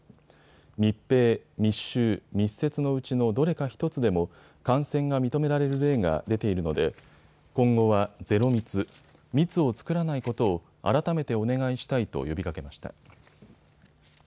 密閉・密集・密接のうちのどれか１つでも感染が認められる例が出ているので今後はゼロ密、密を作らないことを改めてお願いしたいと呼びかけました。